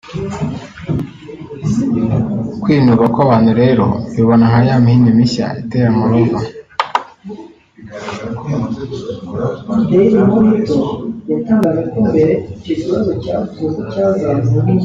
kwinuba kw’abantu rero mbibona nka ya mihini mishya itera amabavu”